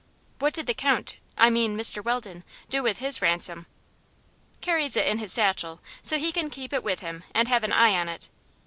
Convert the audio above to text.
"What did the Count I mean, Mr. Weldon do with his ransom?" "Carries it in his satchel, so he can keep it with him and have an eye on it.